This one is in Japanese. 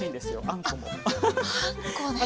あんこね！